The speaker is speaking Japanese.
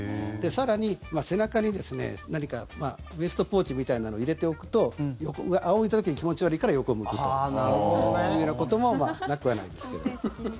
更に、背中に何かウエストポーチみたいなのを入れておくと仰向いた時に気持ち悪いから横を向くというようなこともなくはないですけど。